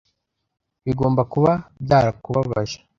Bigomba kuba byarakubabaje.